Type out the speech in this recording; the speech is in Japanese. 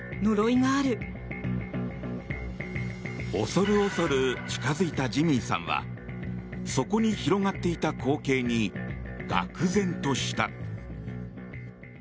恐る恐る近付いたジミーさんはそこに広がっていた光景にがく然とした。